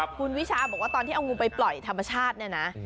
คุณวิชาบอกว่าตอนที่เอางูไปปล่อยธรรมชาติเนี่ยนะ